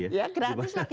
ya gratis lagi